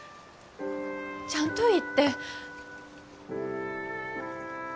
ちゃんと言って。